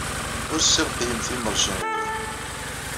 Ur tessalqyemt imerjan-nni.